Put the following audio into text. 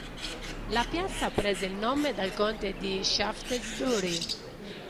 La piazza prese il nome dal Conte di Shaftesbury.